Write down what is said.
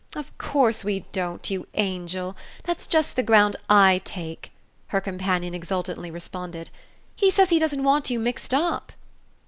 "Of course we don't, you angel that's just the ground I take!" her companion exultantly responded. "He says he doesn't want you mixed up."